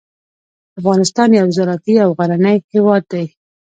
افغانستان یو زراعتي او غرنی هیواد دی.